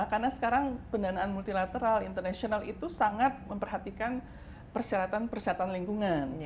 karena sekarang pendanaan multilateral international itu sangat memperhatikan persyaratan persyaratan lingkungan